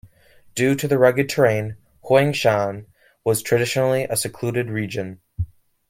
Due to rugged terrain, Huangshan was traditionally a secluded region.